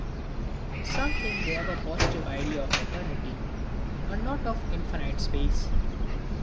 20. Some think they have a positive Idea of Eternity, and not of infinite Space.